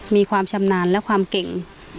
มีความชำนาญและความเก่ง